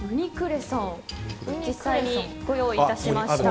実際にご用意いたしました。